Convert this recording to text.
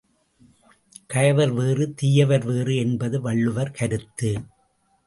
கயவர் வேறு, தீயவர் வேறு என்பது வள்ளுவர் கருத்து.